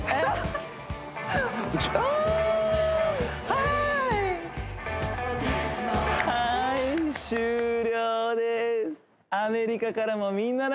はーい終了です